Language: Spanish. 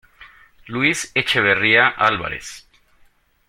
Luis Echeverría Álvarez.